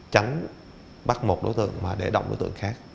tránh bắt một đối tượng mà để động đối tượng khác